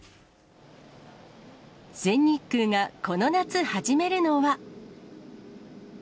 全日空がこの夏、始めるのは。